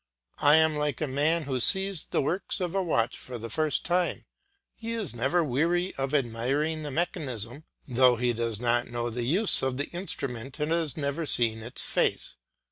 I am like a man who sees the works of a watch for the first time; he is never weary of admiring the mechanism, though he does not know the use of the instrument and has never seen its face.